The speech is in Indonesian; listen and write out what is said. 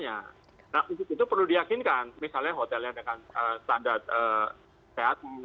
nah untuk itu perlu diyakinkan misalnya hotelnya dengan standar sehat